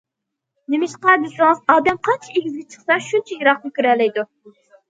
نېمىشقا دېسىڭىز، ئادەم قانچە ئېگىزگە چىقسا، شۇنچە يىراقنى كۆرەلەيدۇ.